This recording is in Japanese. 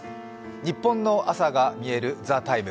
日本の朝が見える「ＴＨＥＴＩＭＥ，」